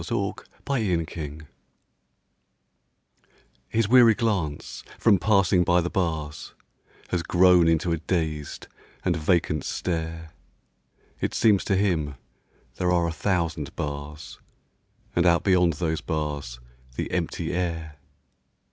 THE PANTHER His weary glance, from passing by the bars, Has grown into a dazed and vacant stare; It seems to him there are a thousand bars And out beyond those bars the empty air.